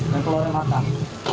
dan telurnya matang